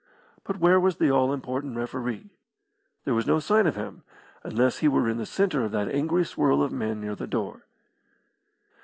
But where was the all important referee? There was no sign of him, unless he were in the centre of that angry swirl of men near the door.